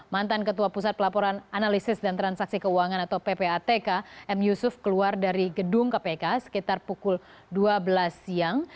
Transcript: mantan ketua pusat pelaporan analisis dan transaksi keuangan atau ppatk m yusuf keluar dari gedung kpk sekitar pukul dua belas siang